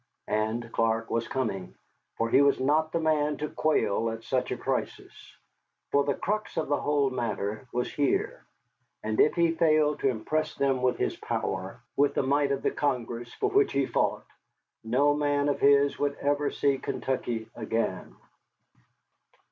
And Clark was coming, for he was not the man to quail at such a crisis. For the crux of the whole matter was here. And if he failed to impress them with his power, with the might of the Congress for which he fought, no man of his would ever see Kentucky again.